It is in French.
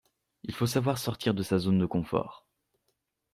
Il faut savoir sortir de sa zone de confort.